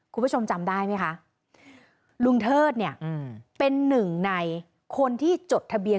คุณผู้ชมจำได้ไหมคะลุงเทิดเนี่ยเป็นหนึ่งในคนที่จดทะเบียน